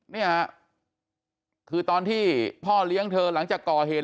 เนี่ยคือตอนที่พ่อเลี้ยงเธอหลังจากก่อเหตุ